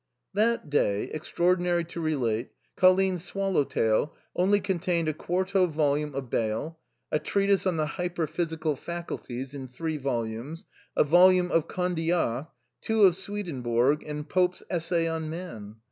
That day, extraordinary to relate, Colline's swallow tail only contained a quarto volume of Bayle, a treatise on the hyperphysical faculties in three volumes, a volume of Condillac, two of Swedenborg and Pope's " Essay on Man."